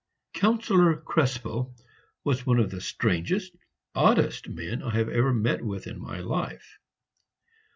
Councillor Krespel was one of the strangest, oddest men I ever met with in my life.